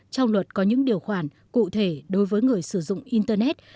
trong luật có những điều khoản cụ thể đối với người sử dụng internet